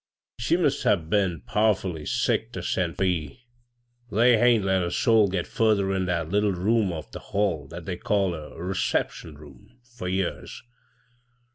' She must ha' been powerful sick ter sent fur ye. They hain't let a soul get furthei'n that little room off the hall that they call a ' reception room' fur years.